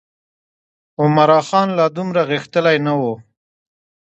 عمرا خان لا دومره غښتلی نه و.